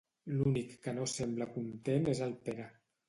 L'únic que no sembla content és el Pere.